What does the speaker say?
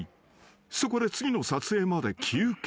［そこで次の撮影まで休憩。